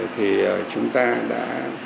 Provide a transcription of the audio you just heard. thì chúng ta đã